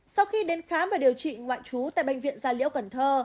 sau khi đến khám và điều trị ngoại trú tại bệnh viện gia liễu cần thơ